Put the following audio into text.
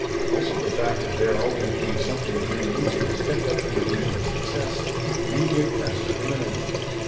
Also the fact of there always being something doing evenings kept up the illusion of success; immediate, past or imminent.